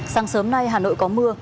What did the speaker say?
sáng sớm nay hà nội có mưa